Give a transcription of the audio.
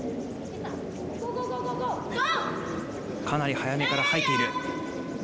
かなり早めからはいている。